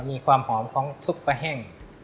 มีความหอมของซุปปลาแห้ง